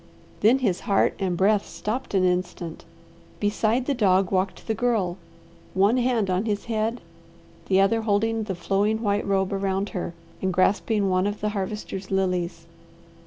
Then his heart and breath stopped an instant. Beside the dog walked the Girl, one hand on his head the other holding the flowing white robe around her and grasping one of the Harvester's lilies.